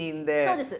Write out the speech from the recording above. そうです。